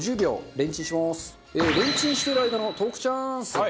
レンチンしてる間のトークチャンス！